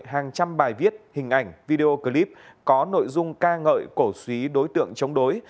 hàng trăm bài viết hình ảnh video clip có nội dung ca ngợi cổ suý đối tượng chống đối